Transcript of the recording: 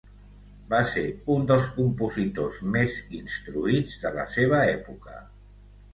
Va ser un dels compositors més instruïts de la seva època.